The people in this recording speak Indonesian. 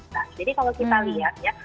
jadi kalau kita lihat ya